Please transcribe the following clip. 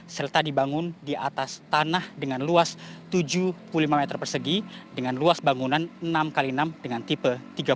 serta dibangun di atas tanah dengan luas tujuh puluh lima meter persegi dengan luas bangunan enam x enam dengan tipe tiga puluh